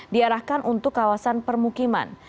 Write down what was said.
diarahkan untuk kawasan permukiman